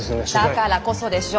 だからこそでしょ？